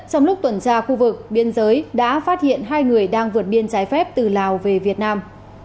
trong lúc tuần tra khu vực biên giới đã phát hiện hai người đang vượt biên trái phép từ lào về việt nam